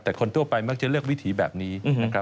แต่คนทั่วไปมักจะเลือกวิถีแบบนี้นะครับ